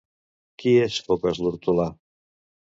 Qui és Focas l'Hortolà?